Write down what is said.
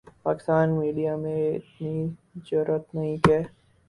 Pakistani media میں اتنی جرآت نہیں کہ